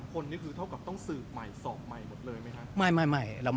คนนี้คือเท่ากับต้องสืบใหม่สอบใหม่หมดเลยไหมคะ